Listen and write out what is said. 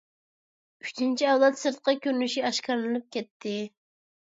ئۈچىنچى ئەۋلاد سىرتقى كۆرۈنۈشى ئاشكارىلىنىپ كەتتى.